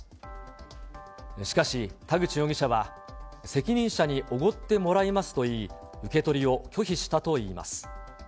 しかし、田口容疑者は、責任者におごってもらいますと言い、受け取りを拒否したといいます。